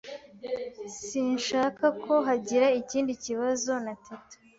Sinshaka ko hagira ikindi kibazo na Teta.